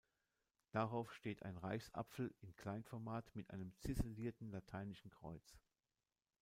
Darauf steht ein Reichsapfel in Kleinformat mit einem ziselierten lateinischen Kreuz.